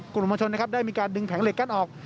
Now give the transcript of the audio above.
กลุ่มมันชนได้มีการดึงแผงเหล็กกั้นออก